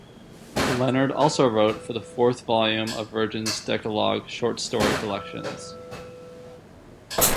Leonard also wrote for the fourth volume of Virgin's Decalog short story collections.